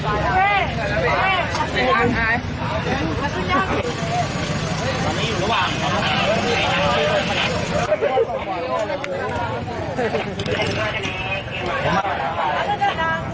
ก็ไม่มีอัศวินทรีย์ขึ้นมา